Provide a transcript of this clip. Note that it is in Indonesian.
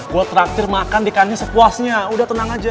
gue traktir makan ikannya sepuasnya udah tenang aja